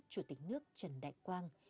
chủ tịch nước trần đại quang